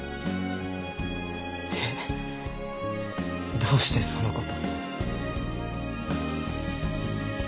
えっ？どうしてそのこと。